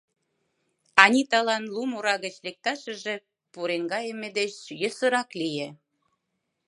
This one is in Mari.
Аниталан лум ора гыч лекташыже пуреҥгайыме деч йӧсырак ыле.